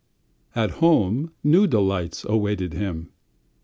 At home new delights awaited him.